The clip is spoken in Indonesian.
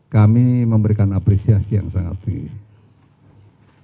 kami memberikan apresiasi yang sangat tinggi